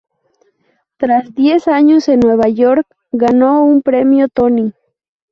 Tras diez años en Nueva York ganó un Premio Tony.